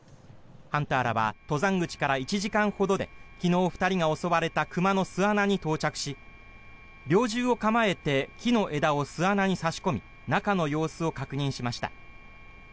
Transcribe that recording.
ハンターらは登山口から１時間ほどで昨日２人が襲われた熊の巣穴に到着し猟銃を構えて木の枝を巣穴に差し込み中の様子を確認しました。